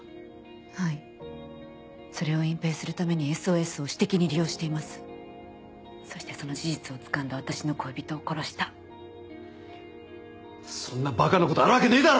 はいそれを隠蔽するために「ＳＯＳ」を私的そしてその事実をつかんだ私の恋人をそんなバカなことあるわけねえだろ！